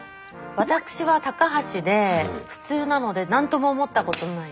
私は高橋で普通なので何とも思ったことない。